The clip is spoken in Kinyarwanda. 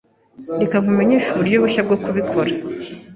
Reka nkumenyeshe uburyo bushya bwo kubikora.